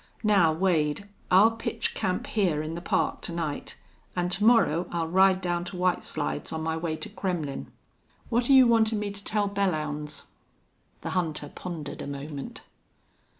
"Now, Wade, I'll pitch camp hyar in the park to night, an' to morrer I'll ride down to White Slides on my way to Kremmlin'. What're you wantin' me to tell Belllounds?" The hunter pondered a moment.